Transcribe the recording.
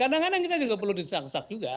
kadang kadang kita juga perlu disesak sesak juga